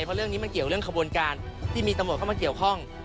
เพราะเรื่องนี้มันเกี่ยวเรื่องขบวนการที่มีตำรวจเข้ามาเกี่ยวข้อง